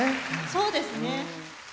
そうですね。